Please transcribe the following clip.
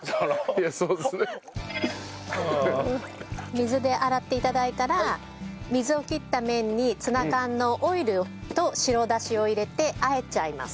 水で洗って頂いたら水を切った麺にツナ缶のオイルと白だしを入れてあえちゃいます。